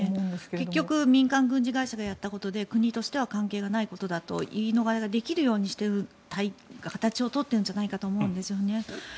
結局民間軍事会社がやったことで国として関係ないことだと言い逃れができるようにする形を取っていると思うんですね。